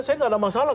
saya nggak ada masalah